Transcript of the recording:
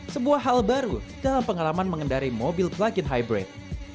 sebuah hal baru dalam pengalaman mengendari mobil plug in hybrid